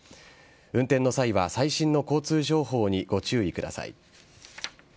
運転の際は最新の交通情報にご注意ください。